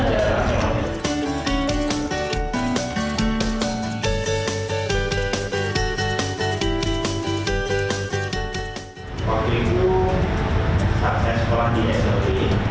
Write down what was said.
kau kira kira saat saya sekolah di smp